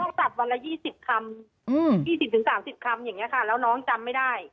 อืม